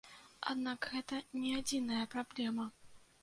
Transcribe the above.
Аднак гэта не адзіная праблема.